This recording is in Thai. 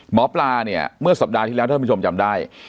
หมอปลาเนี่ยเมื่อสัปดาห์ที่แล้วท่านผู้ชมจำได้